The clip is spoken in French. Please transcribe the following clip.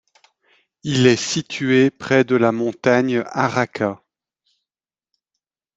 Il est situé près de la montagne Araka.